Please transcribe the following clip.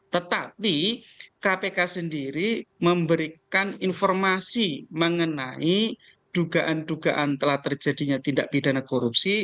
tetapi kpk sendiri memberikan informasi mengenai dugaan dugaan telah terjadinya tindak pidana korupsi